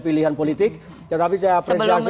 pilihan politik tetapi saya apresiasi